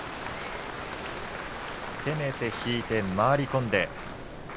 攻めて引いて回り込んで。